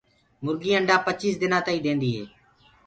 مرگي انڊآ پچيس دنآ تآئينٚ ديندي هي۔